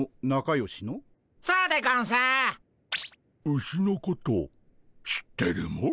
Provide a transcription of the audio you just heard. ウシのこと知ってるモ？